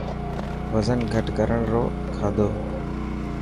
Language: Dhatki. وزن گهٽ ڪرڻ رو کادو.